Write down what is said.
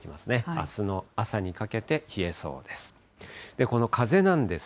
あすの朝にかけて冷えそうです。